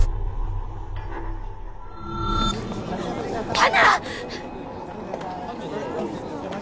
花！！